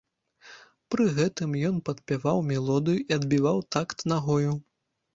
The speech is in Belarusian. Пры гэтым ён падпяваў мелодыю і адбіваў такт нагою.